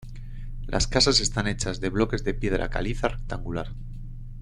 Las casas están hechas de bloques de piedra caliza rectangular.